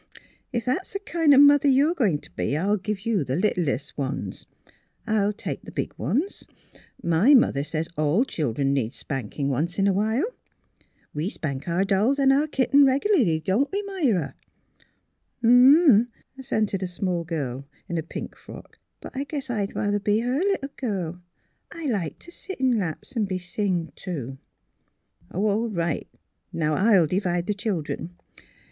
" If that's the kind of mother you're going to be, I'll give you the littlest ones. I'll take the big ones. My mother says all children need spanking, once in a while. "We spank our dolls an' our kit ten, regularly; don't we, Myra? "'' Uh huh," assented a small child in a pink frock. '' But I guess I'd rather be her little girl. I like to sit in laps an' be singed to." " All right, now I'll divide the children.